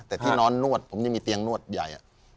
แต่ที่นอนนวดผมยังมีเตียงนวดใหญ่